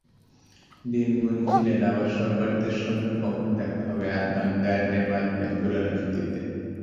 দিন গুনছিলেন আবার সহপাঠীদের সঙ্গে কখন দেখা হবে—আনন্দে আড্ডায় মাতবেন পুরোনো স্মৃতিতে।